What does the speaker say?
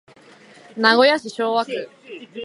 名古屋市昭和区